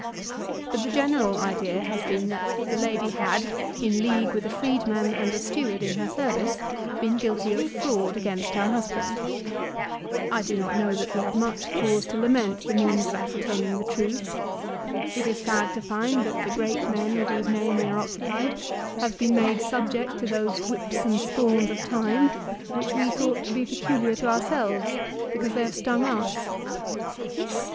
But the general idea has been that the lady had, in league with a freedman and steward in her service, been guilty of fraud against her husband. I do not know that we have AFTER THE BATTLE. 171 much cause to lament the means of ascertaining the truth. It is sad to find that the great men with whose name we are occupied have been made subject to those " whips and scorns of time " which we thought to be peculiar to ourselves, be cause they have stung us.